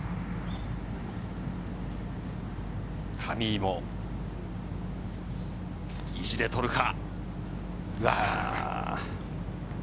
上井も意地で取るか？